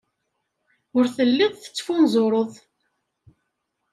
Ur telliḍ tettfunzureḍ.